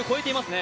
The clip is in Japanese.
ね